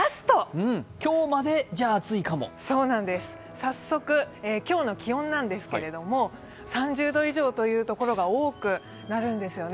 早速、今日の気温なんですけれども３０度以上という所が多くなるんですね。